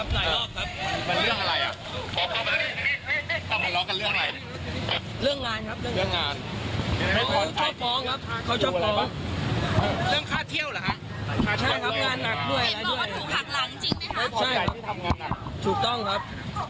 บอกว่าถูกหักหลังจริงไหมครับถูกต้องครับ